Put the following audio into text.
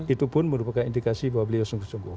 itu merupakan indikasi bahwa beliau suguh suguh